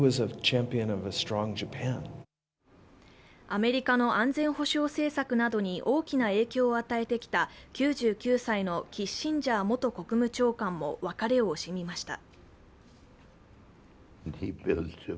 アメリカの安全保障政策などに大きな影響を与えてきた、９９歳のキッシンジャー元国務長官も別れを惜しみました。